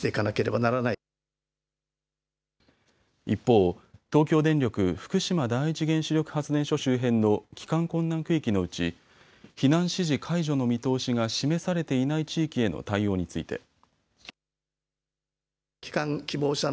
一方、東京電力福島第一原子力発電所周辺の帰還困難区域のうち避難指示解除の見通しが示されていない地域への対応について。